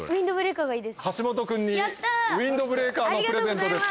橋本君にウインドブレーカーのプレゼントです。